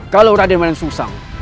kalau raden walang sungsang